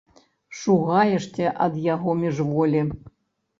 Шугаешся ад яго міжволі.